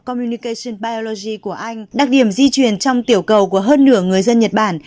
communication biology của anh đặc điểm di truyền trong tiểu cầu của hơn nửa người dân nhật bản